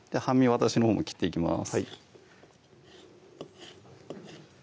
私のほうも切っていきます